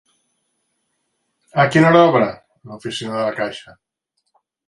A quina hora obre l'oficina de la Caixa?